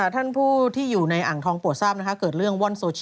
ท่านผู้ที่อยู่ในอ่างทองปวดทราบนะคะ